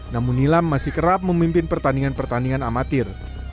namun nilam masih kerap memimpin pertandingan pertandingan amatir